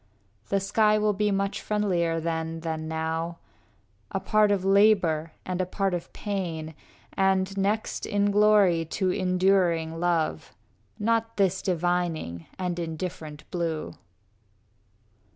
The sky will be much friendlier then than now, A part of labor and a part of pain, And next in glory to enduring love, Not this dividing and indifferent blue.